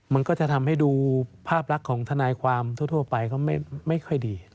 มันก็จะทำให้ดูภาพลักษณ์ของทนายความทั่วไปก็ไม่ค่อยดี